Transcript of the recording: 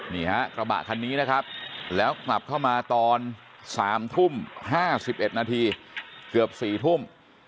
นี่ฮะกระบะคันนี้นะครับแล้วกลับเข้ามาตอน๓ทุ่ม๕๑นาทีเกือบ๔ทุ่ม